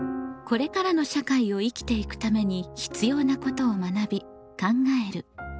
これからの社会を生きていくために必要なことを学び考える「公共」。